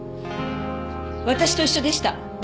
私と一緒でした。